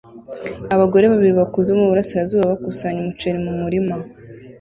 Abagore babiri bakuze bo mu burasirazuba bakusanya umuceri mu murima